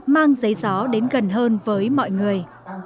mang giấy gió đến gần hơn với mọi người